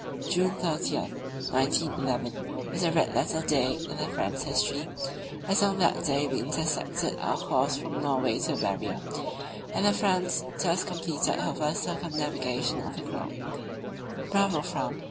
June 30, 1911, is a red letter day in the Fram's history, as on that day we intersected our course from Norway to the Barrier, and the Franz thus completed her first circumnavigation of the globe. Bravo, Fram!